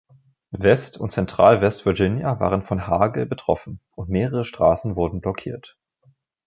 West- und Zentral-West Virginia waren von Hagel betroffen und mehrere Straßen wurden blockiert.